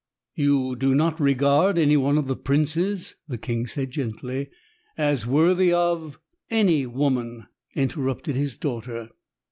"You do not regard any one of the princes," the king said gently, "as worthy of " "Any woman," interrupted his daughter.